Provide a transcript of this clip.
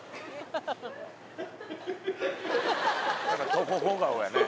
トホホ顔やね。